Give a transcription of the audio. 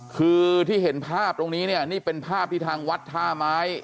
คือที่เห็นภาพตรงนี้เนี่ยนี่เป็นภาพที่ทางวัดท่าไม้